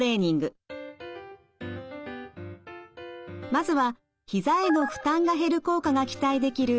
まずはひざへの負担が減る効果が期待できる